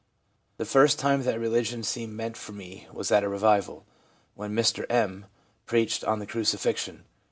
The first time that religion seemed meant for me was at a revival, when Mr M preached on the crucifixion.